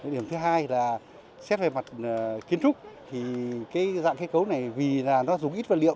điểm thứ hai là xét về mặt kiến trúc thì cái dạng kết cấu này vì là nó dùng ít vật liệu